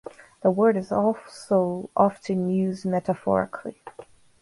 The word is also often used metaphorically.